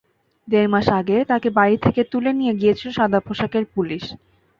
দেড় মাস আগে তাঁকে বাড়ি থেকে তুলে নিয়ে গিয়েছিল সাদাপোশাকের পুলিশ।